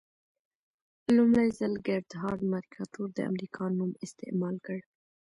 لومړي ځل ګردهارد مرکاتور د امریکا نوم استعمال کړ.